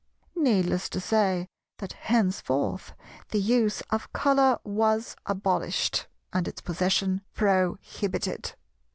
Needless to say that henceforth the use of Colour was abolished, and its possession prohibited.